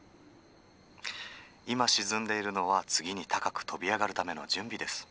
「今沈んでいるのは次に高く飛び上がるための準備です。